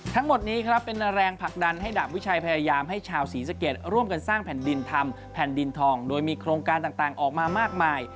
ทั้งหมดนี้ครับเป็นแรงผลักดันให้ดาบวิชัยพยายามให้ชาวศรีสะเกดร่วมกันสร้างแผ่นดินทำแผ่นดินทองโดยมีโครงการต่างออกมามากมาย